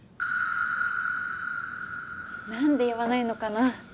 何で言わないのかな